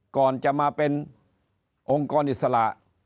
ก่อนจะมาเป็นองค์กรอิสระ